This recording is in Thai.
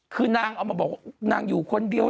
คือนางออกมาบอกในที่นางอยู่คนเดียว